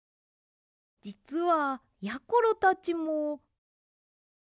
じつはやころたちも。